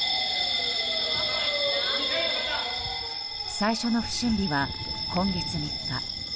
最初の不審火は、今月３日。